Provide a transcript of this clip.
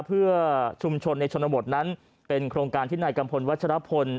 เพื่อชุมชนในชนบทนั้นเป็นโครงการที่นายกัมพลวัชรพล